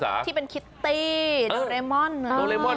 ทำไมเนี่ย